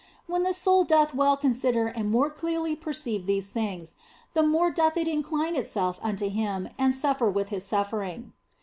When the soul doth well con sider and more clearly perceive these things, the more doth it incline itself unto Him and suffer with His suffer ing.